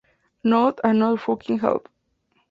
Not another fucking elf!